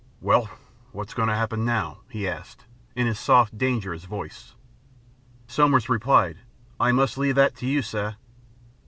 "Well, what's going to happen now?" he asked, in his soft, dangerous voice. Somers replied, "I must leave that to you, sir."